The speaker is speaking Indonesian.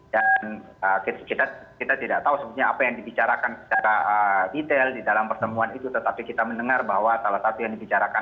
dan kita tidak tahu sebetulnya apa yang dibicarakan secara detail di dalam pertemuan itu tetapi kita mendengar bahwa salah satu yang dibicarakan